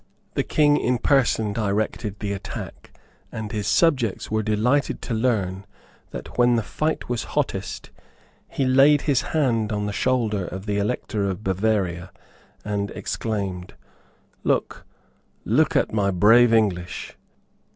The King in person directed the attack; and his subjects were delighted to learn that, when the fight was hottest, he laid his hand on the shoulder of the Elector of Bavaria, and exclaimed, "Look, look at my brave English!"